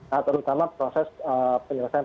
hambat terutama proses penyelesaian